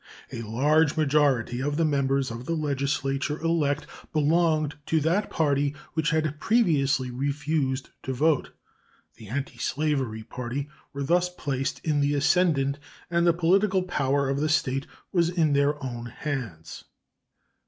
A large majority of the members of the legislature elect belonged to that party which had previously refused to vote. The antislavery party were thus placed in the ascendant, and the political power of the State was in their own hands.